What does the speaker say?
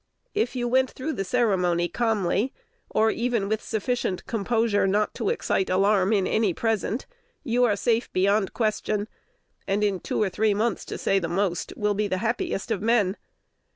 If you went through the ceremony calmly, or even with sufficient composure not to excite alarm in any present, you are safe beyond question, and in two or three months, to say the most, will be the happiest of men.